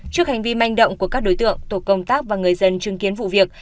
trước hành vi manh động của các đối tượng tổ công tác và người dân chứng kiến vụ việc